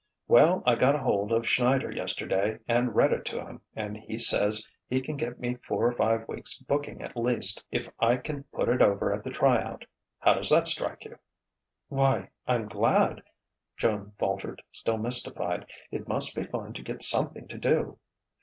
"Well, I got hold of Schneider yesterday, and read it to him, and he says he can get me four or five weeks' booking at least, if I can put it over at the try out. How does that strike you?" "Why I'm glad," Joan faltered, still mystified. "It must be fine to get something to do."